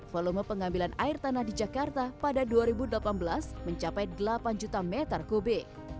volume pengambilan air tanah di jakarta pada dua ribu delapan belas mencapai delapan juta meter kubik